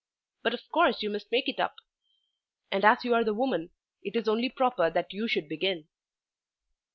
But of course you must make it up. And as you are the woman it is only proper that you should begin."